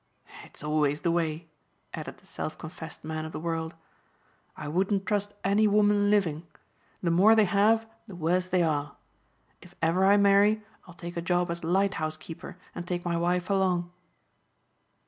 It's always the way," added the self confessed man of the world, "I wouldn't trust any woman living. The more they have the worse they are. If ever I marry I'll take a job as lighthouse keeper and take my wife along."